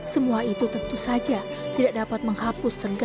semua itu tentu saja tidak dapat menyebabkan keadaan yang berbeda